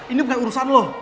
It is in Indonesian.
ini bukan urusan lo